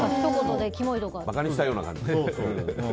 馬鹿にしたような感じのね。